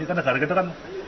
kan negara kita kan